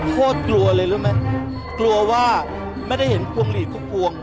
โทษกลัวเลยรู้มั้ยกลัวว่าไม่ได้เห็นกวงหลีดทุก